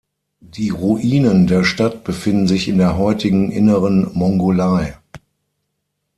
Die Ruinen der Stadt befinden sich in der heutigen Inneren Mongolei.